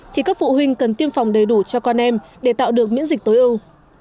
thì các phụ huynh cần tiêm phòng đầy đủ cho con em để tạo được miễn dịch tối ưu